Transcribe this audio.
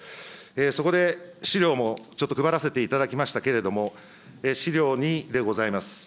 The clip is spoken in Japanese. そこで資料もちょっと配らせていただきましたけれども、資料２でございます。